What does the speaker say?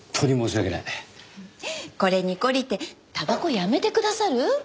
これに懲りてたばこやめてくださる？